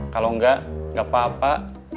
kalau enggak enggak apa apa